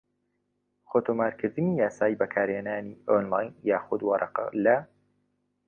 خۆتۆمارکردنی یاسای بەکارهێنانی ئۆنلاین یاخود وەرەقە لە